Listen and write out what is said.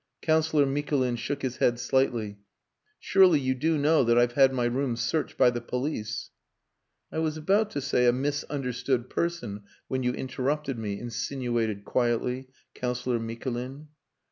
Councillor Mikulin shook his head slightly. "Surely you do know that I've had my rooms searched by the police?" "I was about to say a 'misunderstood person,' when you interrupted me," insinuated quietly Councillor Mikulin.